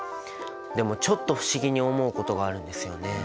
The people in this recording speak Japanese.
でもちょっと不思議に思うことがあるんですよね。